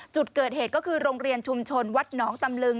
จุดเกิดเหตุก็คือโรงเรียนชุมชนวัดหนองตำลึง